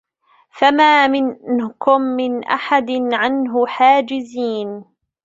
فَمَا مِنكُم مِّنْ أَحَدٍ عَنْهُ حَاجِزِينَ